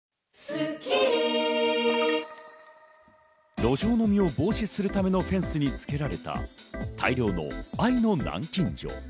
路上飲みを防止するためのフェンスに付けられた大量の愛の南京錠。